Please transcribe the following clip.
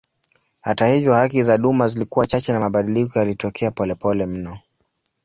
Hata hivyo haki za duma zilikuwa chache na mabadiliko yalitokea polepole mno.